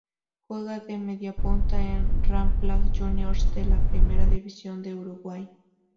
Juega de mediapunta en Rampla Juniors de la Primera División de Uruguay.